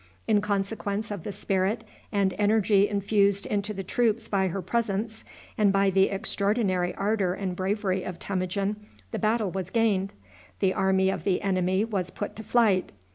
In consequence of the spirit and energy infused into the troops by her presence, and by the extraordinary ardor and bravery of Temujin, the battle was gained. The army of the enemy was put to flight.